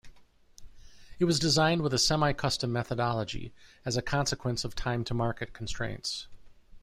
It was designed with a semi-custom methodology, as a consequence of time-to-market constraints.